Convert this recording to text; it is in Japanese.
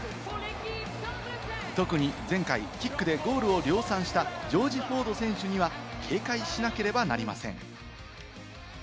特に前回キックでゴールを量産したジョージ・フォード選手には警戒しなければなりません。